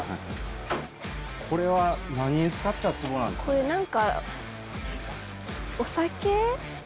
これ何か。